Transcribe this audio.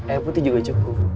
eh putih juga cukup